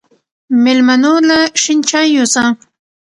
مېلمنو له شين چای يوسه